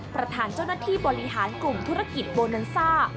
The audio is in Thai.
ประธานเจ้าหน้าที่บริหารกลุ่มธุรกิจโบนันซ่า